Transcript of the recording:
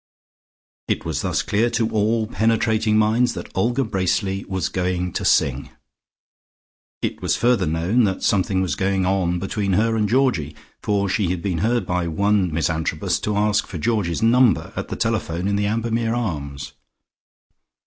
It was thus clear to all penetrating minds that Olga Bracely was going to sing. It was further known that something was going on between her and Georgie, for she had been heard by one Miss Antrobus to ask for Georgie's number at the telephone in the Ambermere Arms.